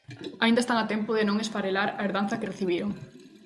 Aínda están a tempo de non esfarelar a herdanza que recibiron.